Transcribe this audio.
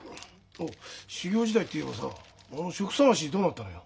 おっ修業時代って言えばさ職探しどうなったのよ？